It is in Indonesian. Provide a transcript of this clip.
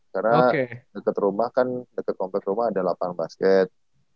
karena deket rumah kan deket rumah ada lapangan basket